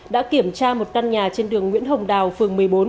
đã kiểm tra một căn nhà trên đường nguyễn hồng đào phường một mươi bốn